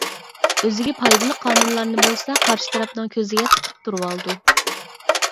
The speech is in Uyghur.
ئۆزىگە پايدىلىق قانۇنلارنى بولسا قارشى تەرەپنىڭ كۆزىگە تىقىپ تۇرۇۋالىدۇ.